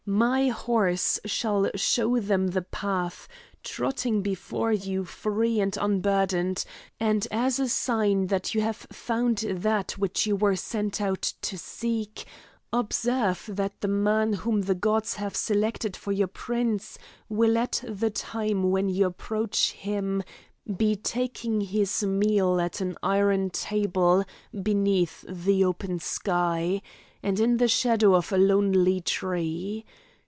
My horse shall show them the path, trotting before you free and unburdened; and as a sign that you have found that which you are sent out to seek, observe that the man whom the gods have selected for your prince, will at the time when you approach him, be taking his meal at an iron table, beneath the open sky, and in the shadow of a lonely tree.